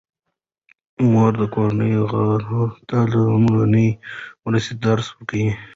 مور د کورنۍ غړو ته د لومړنۍ مرستې درس ورکوي.